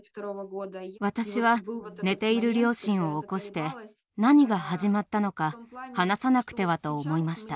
私は寝ている両親を起こして何が始まったのか話さなくてはと思いました。